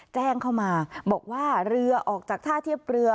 แจ้งเข้ามาบอกว่าเรือออกจากท่าเทียบเรือ